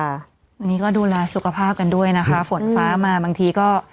อันนี้ก็ดูแลสุขภาพกันด้วยนะคะฝนฟ้ามาบางทีก็